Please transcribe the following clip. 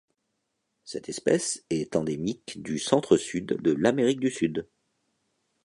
Cette espèce est endémique du centre-sud de l'Amérique du Sud.